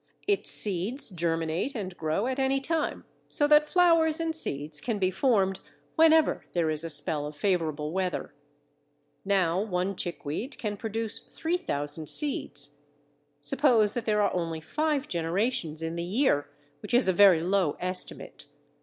Its seeds germinate and grow at any time, so that flowers and seeds can be formed whenever there is a spell of favourable weather. Now one chickweed can produce 3000 seeds. Suppose that there are only five generations in the year, which is a very low estimate.